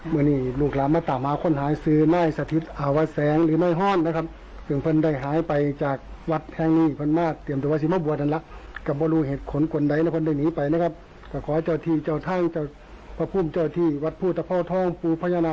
มาสวมกอดของพี่ของน้องของพ่อของแม่ของหนูของเมีย